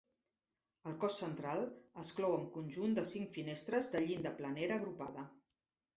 El cos central es clou amb conjunt de cinc finestres de llinda planera agrupada.